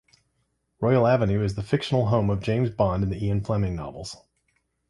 Royal Avenue is the fictional home of James Bond in the Ian Fleming novels.